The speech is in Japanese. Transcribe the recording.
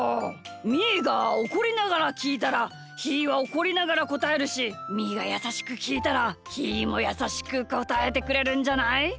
みーがおこりながらきいたらひーはおこりながらこたえるしみーがやさしくきいたらひーもやさしくこたえてくれるんじゃない？